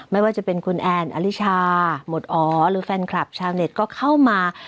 ไม่ว่าจะเป็นคุณแอนอลิชาหมดอ๋อหรือแฟนคลับชาวเน็ตก็เข้ามา